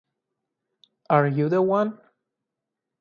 Are You The One?